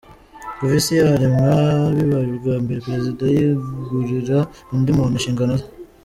Kuva isi yaremwa bibaye ubwa mbere Perezida yegurira undi muntu inshingano ze.